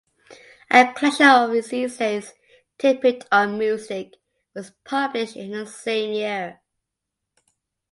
A collection of his essays, "Tippett on Music", was published in the same year.